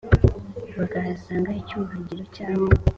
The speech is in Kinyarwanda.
Bakahasang icyuhagiro cyabo